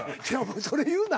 それ言うな。